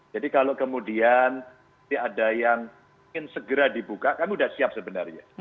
jadi kalau kemudian ada yang ingin segera dibuka kami sudah siap sebenarnya